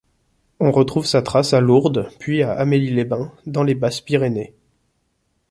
On retrouve sa trace à Lourdes, puis à Amélie-les-Bains, dans les Basses-Pyrénées.